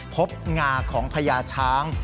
งาของพญาช้าง